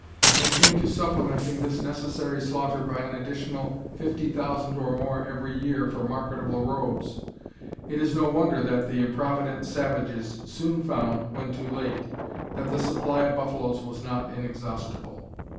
When it came to supplementing this necessary slaughter by an additional fifty thousand or more every year for marketable robes, it is no wonder that the improvident savages soon found, when too late, that the supply of buffaloes was not inexhaustible.